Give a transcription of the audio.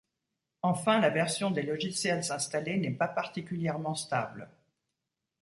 Enfin, la version des logiciels installés n'est pas particulièrement stable.